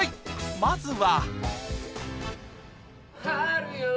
まずは